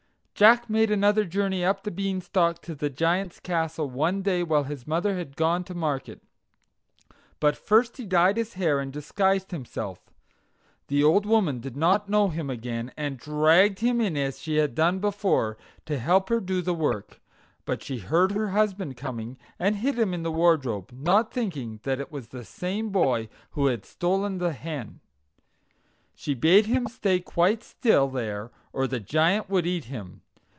Jack made another journey up the Beanstalk to the Giant's castle one day while his mother had gone to market; but first he dyed his hair and disguised himself. The old woman did not know him again, and dragged him in as she had done before, to help her to do the work; but she heard her husband coming, and hid him in the wardrobe, not thinking that it was the same boy who had stolen the hen. She bade him stay quite still there, or the Giant would eat him.